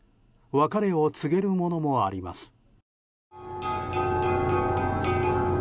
別れを告げるものもあります。